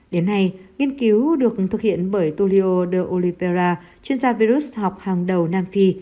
đến nay nghiên cứu được thực hiện bởi tulio de oliveira chuyên gia virus học hàng đầu nam phi